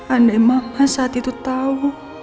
andai mama saat itu tau